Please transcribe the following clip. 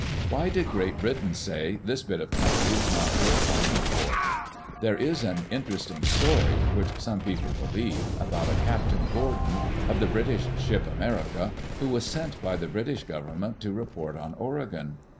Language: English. Why did Great Britain say, " This bit of country is not worth fighting for" ? There is an interesting story, which some people be lieve, about a Captain Gordon, of the British ship America, who was sent by the British Government to report on Oregon.